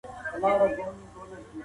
په زور مطالعه مه کوئ.